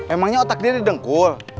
emangnya otak dia ada dengkul